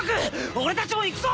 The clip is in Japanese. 俺たちもいくぞ。